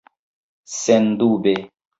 Sendube.